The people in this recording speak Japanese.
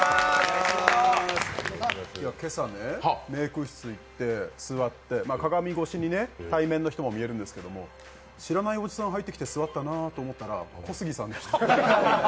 今朝、メーク室行って座って鏡越しに対面の人も見えるんですけど、知らないおじさん入ってきて座ったなと思ったら小杉さんでした。